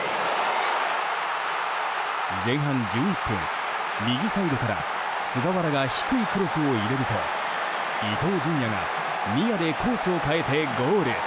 前半１１分、右サイドから菅原が低いクロスを入れると伊東純也がニアでコースを変えてゴール。